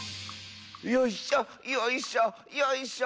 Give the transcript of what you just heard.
「よいしょよいしょよいしょ。